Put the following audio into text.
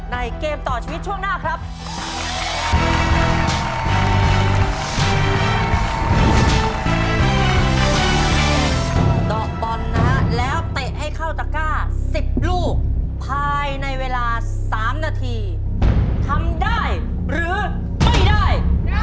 ดอกบอลนะครับแล้วเตะให้เข้าตะก้าสิบลูกภายในเวลาสามนาทีทำได้หรือไม่ได้